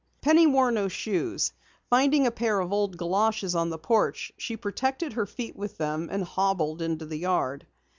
Penny wore no shoes. Finding a pair of old galoshes on the porch, she protected her feet with them, and hobbled into the yard.